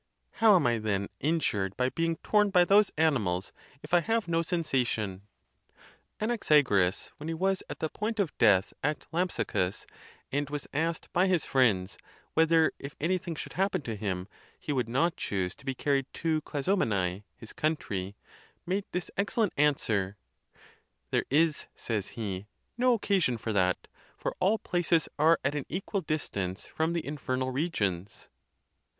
"How am I then in 56 THE TUSCULAN DISPUTATIONS. jured by being torn by those animals, if I have no sensa tion?" Anaxagoras, when he was at the point of death at Lampsacus, and was asked by his friends, whether, if anything should happen to him, he would not choose to be carried to Clazomene, his country, made this excellent answer, ' There is," says he, "no occasion for that, for all places are at an equal distance from the infernal re gions."